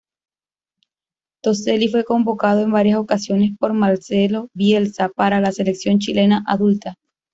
Toselli fue convocado en varias ocasiones por Marcelo Bielsa para la selección chilena adulta.